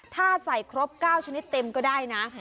ถ้าใส่ครบ๙ชนิดเต็มก็ได้นะ